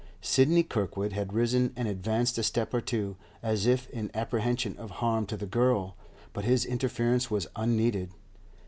Sidney Kirkwood had risen, and advanced a step or two, as if in apprehension of harm to the girl, but his interference was unneeded.